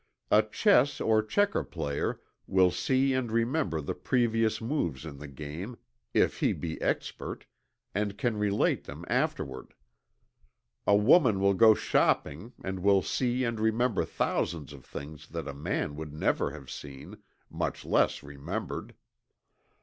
A chess or checker player will see and remember the previous moves in the game, if he be expert, and can relate them afterward. A woman will go shopping and will see and remember thousands of things that a man would never have seen, much less remembered.